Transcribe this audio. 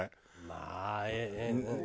まあ。